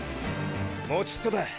もちっとだ